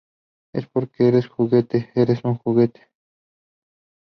Es porque eres un juguete. Eres su juguete.